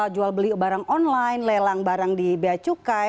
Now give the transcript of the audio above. jual beli barang online lelang barang di bea cukai